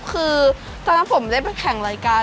คือตอนนั้นผมเล่นเป็นแข่งรายการ